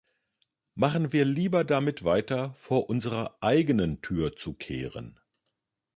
Machen wir lieber damit weiter, vor unserer eigenen Tür zu kehren.